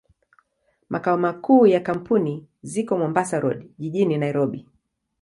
Makao makuu ya kampuni ziko Mombasa Road, jijini Nairobi.